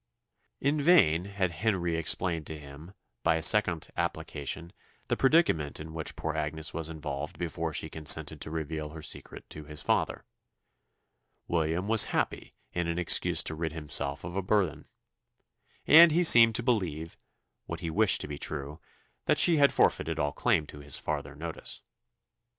In vain had Henry explained to him, by a second application, the predicament in which poor Agnes was involved before she consented to reveal her secret to his father. William was happy in an excuse to rid himself of a burthen, and he seemed to believe, what he wished to be true that she had forfeited all claim to his farther notice.